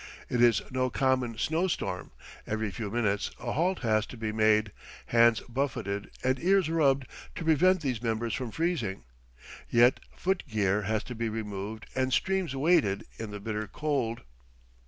It is no common snow storm; every few minutes a halt has to be made, hands buffeted and ears rubbed to prevent these members from freezing; yet foot gear has to be removed and streams waded in the bitter cold.